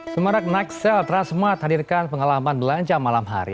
semarang naxxel transmart hadirkan pengalaman belanja malam hari